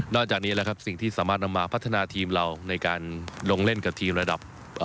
จากนี้แหละครับสิ่งที่สามารถนำมาพัฒนาทีมเราในการลงเล่นกับทีมระดับ